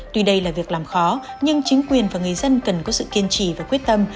tuy đây là việc làm khó nhưng chính quyền và người dân cần có sự kiên trì và quyết tâm